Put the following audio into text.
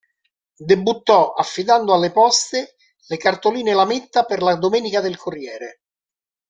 Debuttò affidando alle poste le cartoline-lametta per "La Domenica del Corriere".